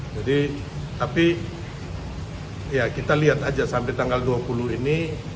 jadi tapi ya kita lihat aja sampai tanggal dua puluh ini